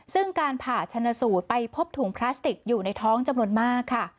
ซึ่งการผ่าชนสูตรไปพบถุงพลาสติกอยู่ในท้องจำนวนมากค่ะ